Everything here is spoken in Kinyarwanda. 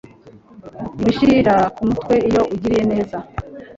ibishirira ku mutwe iyo ugiriye neza